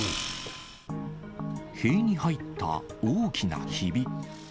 塀に入った大きなひび。